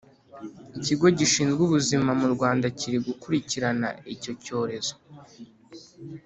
ikigo gishinzwe ubuzima mu rwanda kiri gukurikirana icyi cyorezo